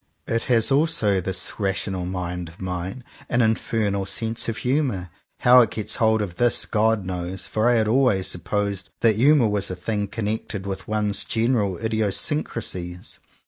It has also — this rational mind of mine— an infernal sense of humour. How it gets hold of this, God knows; for I had always supposed that humour was a thing con nected with one's general idiosyncracies.